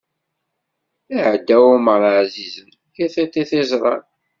Iɛedda Ɛumer ɛzizen, i tiṭ i t-iẓran.